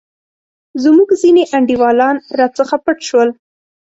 زموږ ځیني انډیوالان راڅخه پټ شول.